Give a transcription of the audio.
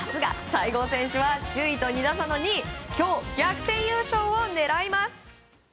西郷選手は首位と２打差の２位。今日、逆転優勝を狙います！